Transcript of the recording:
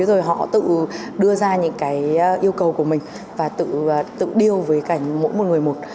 rồi họ tự đưa ra những cái yêu cầu của mình và tự điêu với cả mỗi một người một